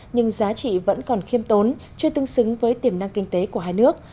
nhưng giá trị vẫn còn khiêm tốn chưa tương xứng với tiềm năng kinh tế của hai nước